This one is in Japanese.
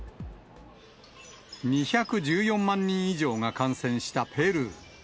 ２１４万人以上が感染したペルー。